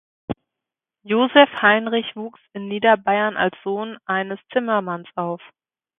Joseph Heinrich wuchs in Niederbayern als Sohn eines Zimmermanns auf.